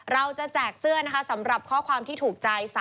แจกเสื้อนะคะสำหรับข้อความที่ถูกใจ